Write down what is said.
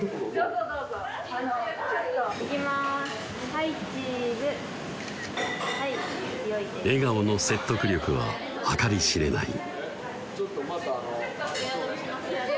はいチーズ笑顔の説得力は計り知れない